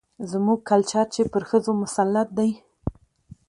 زموږ کلچر چې پر ښځو مسلط دى،